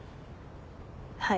はい。